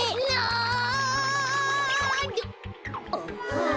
はあ。